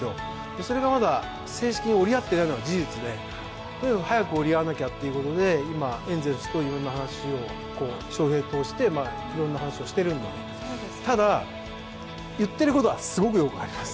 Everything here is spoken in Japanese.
それがまだ、正式に折り合っていないのは事実で早く折り合わなきゃということでエンゼルスと翔平を通していろんな話をしているんで、ただ言っていることは、すごくよく分かります。